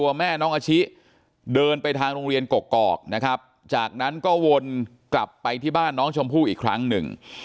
แม่น้องอาชิเดินไปทางโรงเรียนกกอกนะครับจากนั้นก็วนกลับไปที่บ้านน้องชมพู่อีกครั้งหนึ่ง